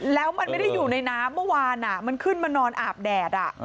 แล้วมันไม่ได้อยู่ในน้ำเมื่อวานมันขึ้นมานอนอาบแดด